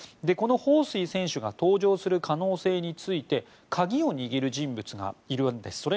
このホウ・スイ選手が登場する可能性について鍵を握る人物がいるんです。